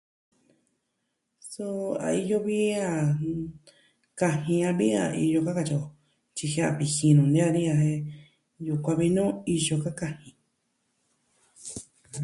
Suu a iyo vi a kaji a vi a iyo ka katyi o. Tyi jiaa viji nuu nee a ni a jen ñuu kuvi nu iyo ka kaji.